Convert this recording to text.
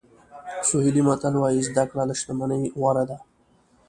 سوهیلي متل وایي زده کړه له شتمنۍ غوره ده.